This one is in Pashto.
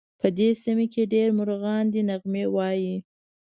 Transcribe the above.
په دې سیمه کې ډېر مرغان دي نغمې وایې